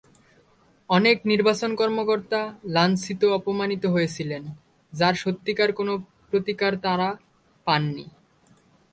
অনেক নির্বাচন কর্মকর্তা লাঞ্ছিত-অপমানিত হয়েছিলেন, যার সত্যিকার কোনো প্রতিকার তাঁরা পাননি।